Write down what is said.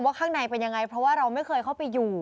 ข้างในเป็นยังไงเพราะว่าเราไม่เคยเข้าไปอยู่